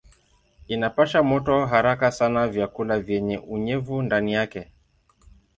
Inapasha moto haraka sana vyakula vyenye unyevu ndani yake.